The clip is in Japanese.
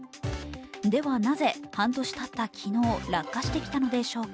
ではなぜ、半年たった昨日、落下してきたのでしょうか？